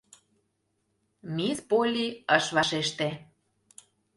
Мисс Полли ыш вашеште.